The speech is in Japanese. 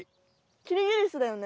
キリギリスだよね？